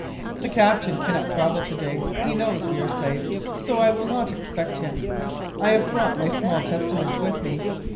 The captain cannot travel to day. He knows we are safe, so I will not expect him. I have brought my small Testament with me.